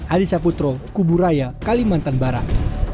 adisa putro kuburaya kalimantan barat